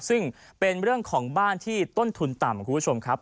ซึ่งเป็นเรื่องของบ้านที่ต้นทุนต่ำคุณผู้ชมครับ